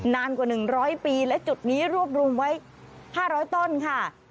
นานกว่า๑๐๐ปีและจุดนี้รวบรวมไว้๕๐๐ต้นค่ะ